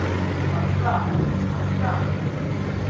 ¡ arriba!... ¡ arriba!...